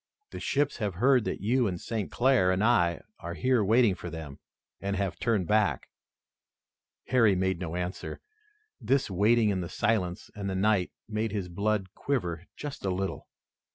"The ships have heard that you and St. Clair and I are here waiting for them and have turned back." Harry made no answer. This waiting in the silence and the night made his blood quiver just a little.